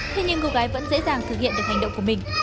thế nhưng cô gái vẫn dễ dàng thực hiện được hành động